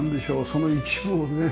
その一部をね